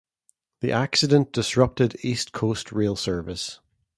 The accident disrupted East Coast rail service.